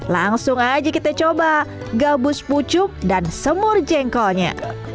langsung aja kita coba gabus pucuk dan semur jengkolnya